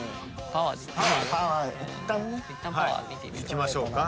いきましょうか。